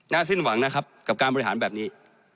สิ้นหวังนะครับกับการบริหารแบบนี้